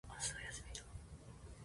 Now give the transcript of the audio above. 明日は休みだ。